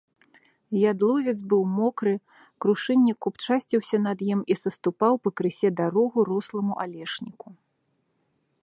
Ядловец быў мокры, крушыннік купчасціўся над ім і саступаў пакрысе дарогу росламу алешніку.